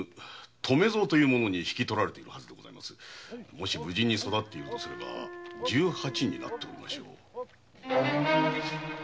もし無事に育っていますれば十八になっておりましょう。